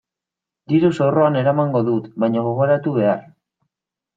Diru-zorroan eramango dut baina gogoratu behar.